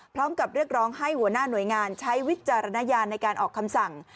พร้อมกับเรียกร้องให้หัวหน้าหน่วยงานใช้วิจารณญาณในการออกคำสั่ง